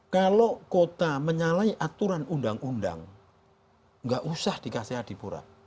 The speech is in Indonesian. kalau kota menyalahi aturan undang undang nggak usah dikasih adipura